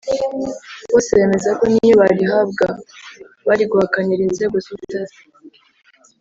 bose bemeza ko niyo barihabwa bari guhakanira inzego z’ubutasi